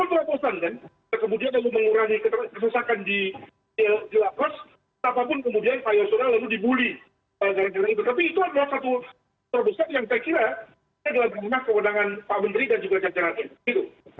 yang telah digunakan kewadangan pak menteri dan juga cak jalanin